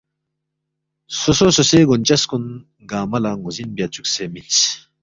سوسو سوسوے گونچس کُن گنگمہ لہ ن٘وزِن بیا چُوکسے مِنس